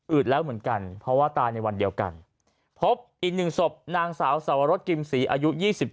แล้วเหมือนกันเพราะว่าตายในวันเดียวกันพบอีก๑ศพนางสาวสวรสกิมศรีอายุ๒๗